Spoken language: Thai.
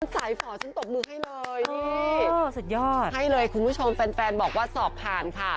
สายฝ่อฉันตบมือให้เลยนี่สุดยอดให้เลยคุณผู้ชมแฟนบอกว่าสอบผ่านค่ะ